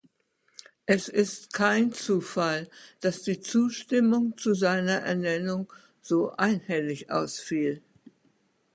Es ist kein Zufall, dass die Zustimmung zu seiner Ernennung so einhellig ausfiel.